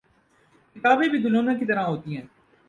کتابیں بھی دلہنوں کی طرح ہوتی ہیں۔